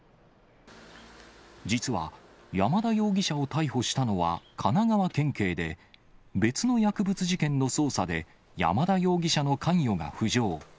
実は、山田容疑者を逮捕したのは神奈川県警で、別の薬物事件の捜査で、山田容疑者の関与が浮上。